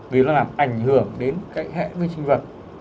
vì nó làm ảnh hưởng đến cái hệ vi sinh vật